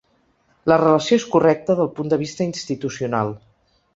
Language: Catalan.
La relació és correcta del punt de vista institucional.